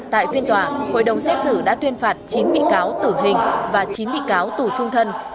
tại phiên tòa hội đồng xét xử đã tuyên phạt chín bị cáo tử hình và chín bị cáo tù trung thân